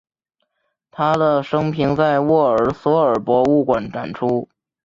他的生平在沃尔索尔博物馆展出。